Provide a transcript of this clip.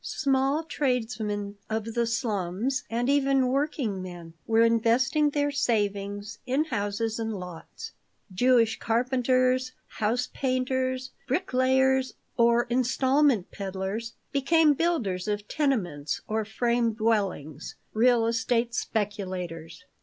Small tradesmen of the slums, and even working men, were investing their savings in houses and lots. Jewish carpenters, house painters, bricklayers, or instalment peddlers became builders of tenements or frame dwellings, real estate speculators.